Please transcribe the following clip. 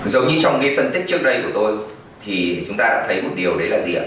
giống như trong cái phân tích trước đây của tôi thì chúng ta thấy một điều đấy là gì ạ